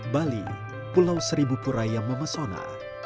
bali pulau seribu pura yang memesona